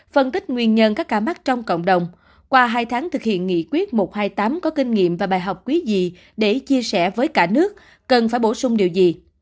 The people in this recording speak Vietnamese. phân tích nguyên nhân các ca mắc trong cộng đồng qua hai tháng thực hiện nghị quyết một trăm hai mươi tám có kinh nghiệm và bài học quý gì để chia sẻ với cả nước cần phải bổ sung điều gì